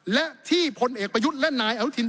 และที่พลเอกประยุทธ์และนายอนุทิน